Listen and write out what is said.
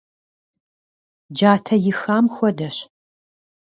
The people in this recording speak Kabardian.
Джатэ ихам хуэдэщ.